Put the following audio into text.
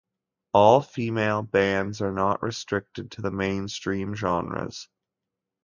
All-female bands are not restricted to the mainstream genres.